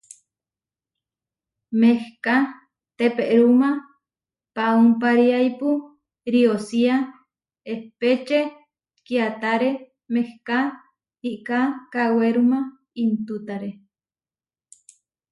Mehká teperúma paúmpariaipu riosía epečé kiatáre mehká iká kaweruma intútare.